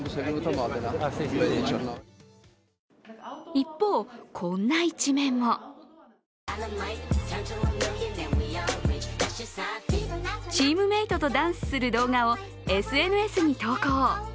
一方、こんな一面もチームメートとダンスする動画をＳＮＳに投稿。